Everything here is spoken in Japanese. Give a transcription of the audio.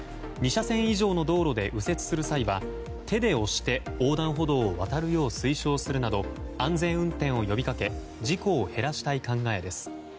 ２車線以上の道路で右折する際は手で押して横断歩道を渡るよう推奨するなど安全運転を呼びかけ事故を減らしたい考えです。